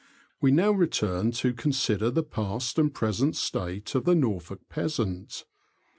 We now return to consider the past and present state of the Norfolk peasant.